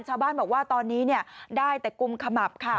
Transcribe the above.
ชาวบ้านบอกว่าตอนนี้ได้แต่กุมขมับค่ะ